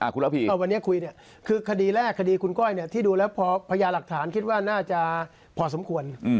ขดีแรกคุณแก้แก้ที่ดูแล้วพญาหลักฐานคิดว่าน่าจะพอสมควร